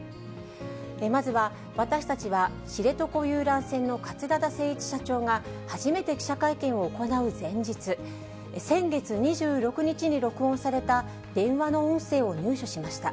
まずは、私たちは知床遊覧船の桂田精一社長が初めて記者会見を行う前日、先月２６日に録音された電話の音声を入手しました。